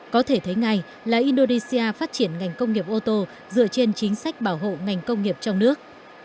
có thể thấy ngay là indonesia phát triển ngành công nghiệp ô tô dựa trên chính sách bảo hộ ngành công nghiệp trong nước